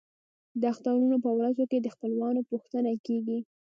د اخترونو په ورځو کې د خپلوانو پوښتنه کیږي.